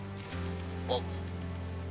あっ！